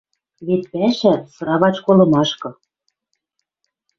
Вет пӓшӓ — сыравач колымашкы